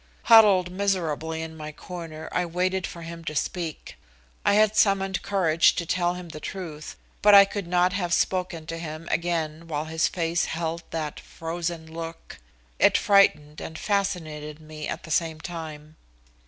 Huddled miserably in my corner, I waited for him to speak. I had summoned courage to tell him the truth, but I could not have spoken to him again while his face held that frozen look. It frightened and fascinated me at the same time.